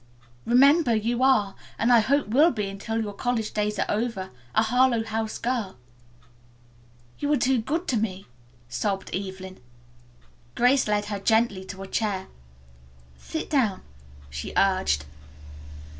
Remember, you are, and I hope will be until your college days are over, a Harlowe House girl." "You are too good to me," sobbed Evelyn. Grace led her gently to a chair. "Sit down," she urged.